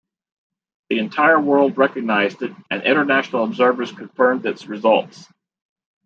The entire world recognised it, and international observers confirmed its results.